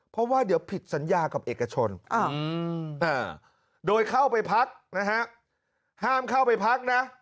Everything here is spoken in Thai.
เพราะว่าเดี๋ยวผิดสัญญากับเอกชนโดยเข้าไปพักนะฮะห้ามเข้าไปพักนะ